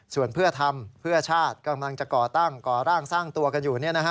ส่วนเพื่อทำเพื่อชาติกำลังจะก่อตั้งก่อร่างสร้างตัวกันอยู่